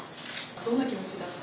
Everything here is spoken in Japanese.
どんな気持ちだった？